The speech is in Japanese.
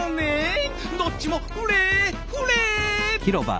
どっちもフレーフレー！